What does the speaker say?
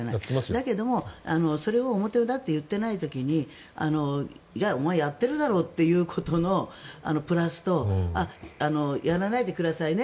だけどそれを表立って言っていない時にいや、お前やっているだろうと言うことのプラスとやらないでくださいね